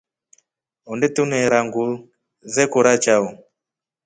Onde tuneera nguu zekora chao.